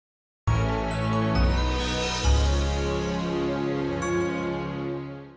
jangan jangan gue mau di do lagi dari kampus